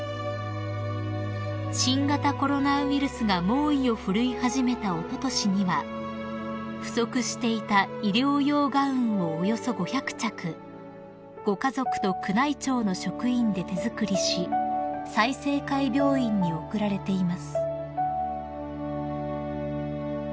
［新型コロナウイルスが猛威を振るい始めたおととしには不足していた医療用ガウンをおよそ５００着ご家族と宮内庁の職員で手作りし済生会病院に贈られています］